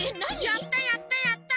やったやったやった！